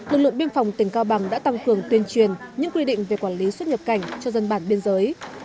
lực lượng biên phòng tỉnh cao bằng đã tăng cường tuyên truyền những quy định về quản lý xuất nhập cảnh cho dân bản biên giới